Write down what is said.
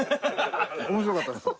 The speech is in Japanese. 面白かったですか？